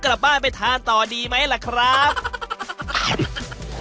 เราล้มแล้วเราต้องลุกขึ้นมาสู้